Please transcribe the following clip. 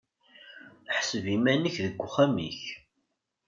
Ḥseb iman-ik deg uxxam-ik.